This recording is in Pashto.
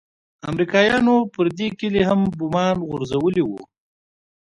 امريکايانو پر دې کلي هم بمان غورځولي وو.